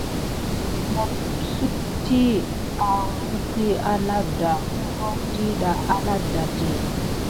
Mopsukdi ahiku anaɗa uvon ɗiɗa á naɗa di.